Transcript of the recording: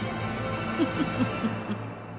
フフフフフ。！